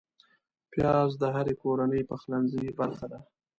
پیاز د هرې کورنۍ پخلنځي برخه ده